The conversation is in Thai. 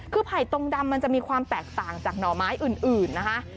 คือไผ่ตรงดำมันจะมีความแตกต่างจากหน่อไม้อื่นนะคะ